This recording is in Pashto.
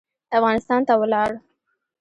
افغانستان ته ولاړ.